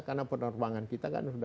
karena penerbangan kita sudah berjalan